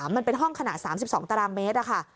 มันเป็นห้องขนาด๓๒ตรมค่ะ